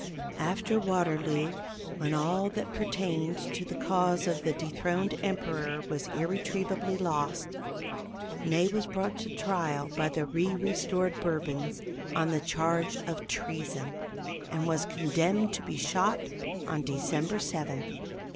After Waterloo, when all that pertained to the cause of the dethroned Emperor was irretrievably lost, Ney was brought to trial by the re restored Bourbons on the charge of treason, and was condemned to be shot on December 7, 1815.